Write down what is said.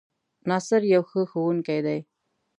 ناصر يو ښۀ ښوونکی دی